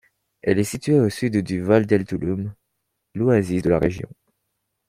Elle est située au sud du Valle del Tulum, l'oasis de la région.